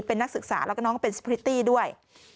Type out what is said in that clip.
เป็นนักศึกษาแล้วก็น้องก็เป็นสพริตตี้ด้วย